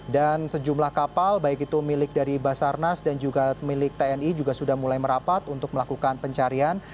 dan sejumlah kapal baik itu milik dari basarnas dan juga milik tni juga sudah mulai merapat untuk melakukan pencarian